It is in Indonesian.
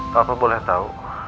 papa boleh tau